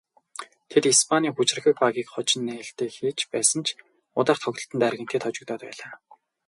Тэд Испанийн хүчирхэг багийг хожин нээлтээ хийж байсан ч удаах тоглолтдоо Аргентинд хожигдоод байлаа.